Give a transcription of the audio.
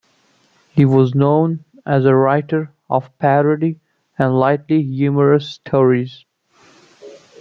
He was known as a writer of parody and lightly humorous stories.